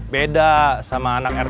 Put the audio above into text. beda sama anak rt satu